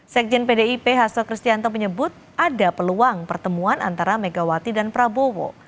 sekjen pdip hasto kristianto menyebut ada peluang pertemuan antara megawati dan prabowo